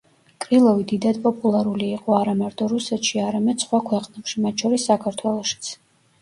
კრილოვი დიდად პოპულარული იყო არა მარტო რუსეთში, არამედ სხვა ქვეყნებში, მათ შორის საქართველოშიც.